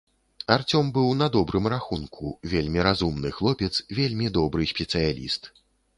Арцём быў на добрым рахунку, вельмі разумны хлопец, вельмі добры спецыяліст.